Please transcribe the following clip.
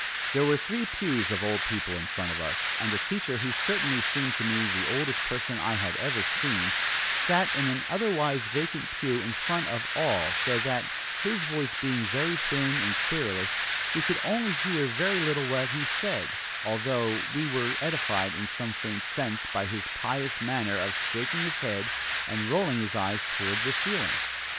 There were three pews of old people in front of us, and the teacher, who certainly seemed to me the oldest person I had ever seen, sat in an otherwise vacant pew in front of all, so that, his voice being very thin and querulous, we could hear very little that he said, although we were edified in some faint sense by his pious manner of shaking his head and rolling his eyes toward the ceiling.